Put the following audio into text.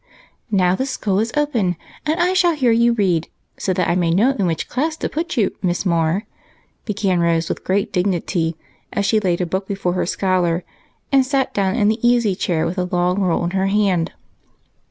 " Now the school is open, and I shall hear you read, so that I may know in which class to put you, Miss Moore," began Rose with great dignity, as she laid a book before her scholar, and sat down in the easy chair with a long rule in her hand.